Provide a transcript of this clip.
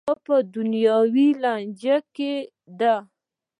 دا په دنیوي لانجو کې ده.